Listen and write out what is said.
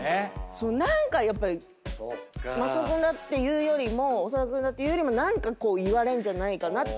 何かやっぱり「松尾君だ」っていうよりも「長田君だ」っていうよりも何か言われんじゃないかなって。